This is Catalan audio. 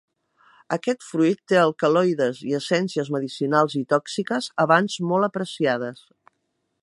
Aquest fruit té alcaloides i essències medicinals i tòxiques, abans molt apreciades.